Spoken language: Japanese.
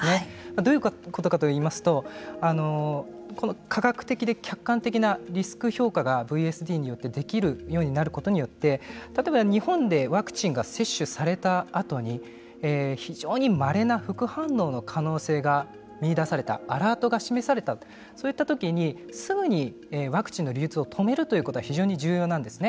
どういうことかといいますと科学的で客観的なリスク評価がＶＳＤによってできるようになることによって例えば、日本でワクチンが接種されたあとに非常にまれな副反応の可能性が見いだされたアラートが示されたそういったときにすぐにワクチンの流通を止めるということは非常に重要なんですね。